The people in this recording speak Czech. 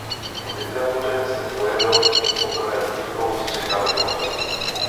V literatuře se projevil poprvé sbírkou "Střecha nad oknem".